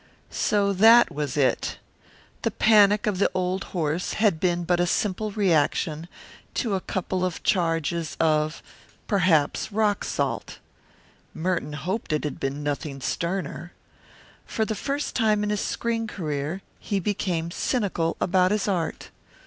So that was it. The panic of the old horse had been but a simple reaction to a couple of charges of perhaps rock salt. Merton Gill hoped it had been nothing sterner. For the first time in his screen career he became cynical about his art.